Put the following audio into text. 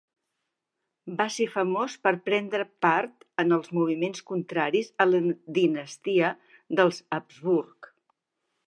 Va ser famós per prendre part en els moviments contraris a la dinastia dels Habsburg.